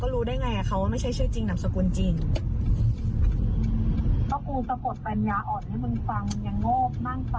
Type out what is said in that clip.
แล้วดิฉันจะเช็คเจอได้ยังไงล่ะค่ะ